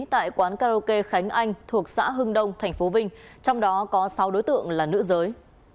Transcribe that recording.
tại quán karaoke khánh anh thuộc xã hưng đông tp vinh trong đó có sáu đối tượng là nữ giới